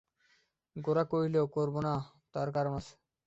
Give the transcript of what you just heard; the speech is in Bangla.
গোরা কহিল, করব না তার কারণ আছে।